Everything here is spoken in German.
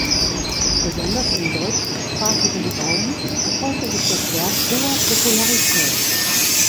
Besonders im deutschsprachigen Raum erfreute sich das Werk hoher Popularität.